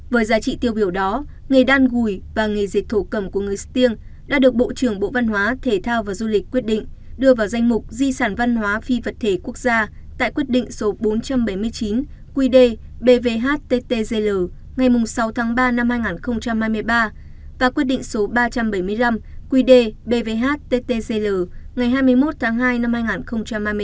với giá trị tiêu biểu đó nghề đan gùi và nghề diệt thổ cầm của người stiêng đã được bộ trưởng bộ văn hóa thể thao và du lịch quyết định đưa vào danh mục di sản văn hóa phi vật thể quốc gia tại quyết định số bốn trăm bảy mươi chín quy đề bvhttzl ngày sáu tháng ba năm hai nghìn hai mươi ba và quyết định số ba trăm bảy mươi năm quy đề bvhttzl ngày hai mươi một tháng hai năm hai nghìn hai mươi bốn